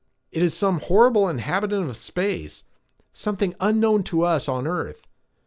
"It is some horrible inhabitant of space, something unknown to us on earth.